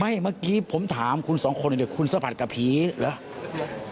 เมื่อกี้ผมถามคุณสองคนเดี๋ยวคุณสัมผัสกับผีเหรอ